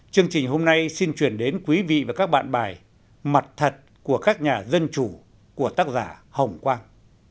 chương trình hôm nay xin chuyển đến quý vị và các bạn bài mặt thật của các nhà dân chủ của tác giả hồng quang